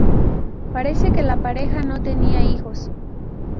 Parece que la pareja no tenía hijos.